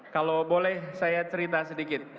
kalau boleh saya cerita sedikit